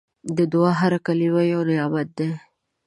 د دعا هره کلمه یو نعمت ده.